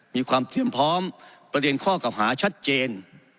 มีความเทียมพร้อมประเด็นข้อเก่าหาชัดเจน